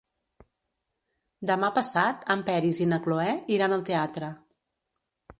Demà passat en Peris i na Cloè iran al teatre.